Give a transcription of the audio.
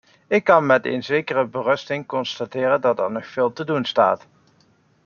Ik kan met een zekere berusting constateren dat er nog veel te doen staat.